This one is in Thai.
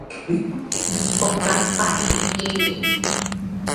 พบปลั๊กไฟ! เย่!